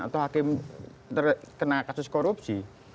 atau hakim terkena kasus korupsi